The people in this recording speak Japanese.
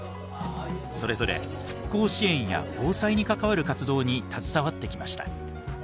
それぞれ復興支援や防災に関わる活動に携わってきました。